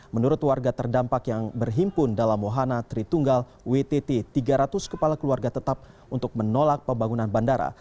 menurut warga terdampak yang berhimpun dalam wahana tritunggal wtt tiga ratus kepala keluarga tetap untuk menolak pembangunan bandara